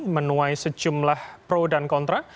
menuai sejumlah pro dan kontra